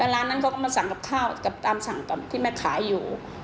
ร้านนั้นเขาก็มาสั่งกับข้าวกับตามสั่งกับที่แม่ขายอยู่